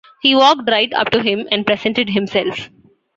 He walked right up to him and presented himself